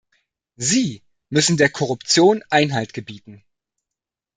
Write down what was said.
Sie müssen der Korruption Einhalt gebieten.